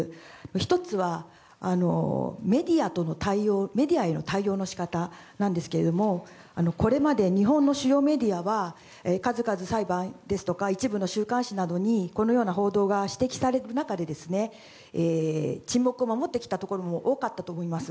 １つは、メディアへの対応の仕方なんですけれどもこれまで日本の主要メディアは数々、裁判ですとか一部の週刊誌などにこのような報道が指摘された中で沈黙を守ってきたところも多かったと思います。